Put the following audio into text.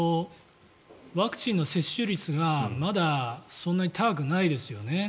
ワクチンの接種率がまだそんなに高くないですよね。